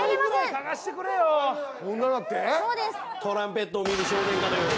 トランペットを見る少年かのように。